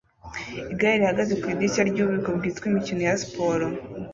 Igare rihagaze ku idirishya ryububiko bwitwa Imikino ya Siporo